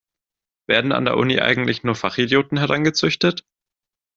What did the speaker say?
Werden an der Uni eigentlich nur Fachidioten herangezüchtet?